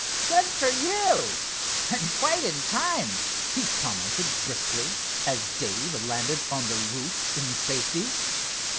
"Good for you, and quite in time," he commented briskly, as Dave landed on the roof in safety.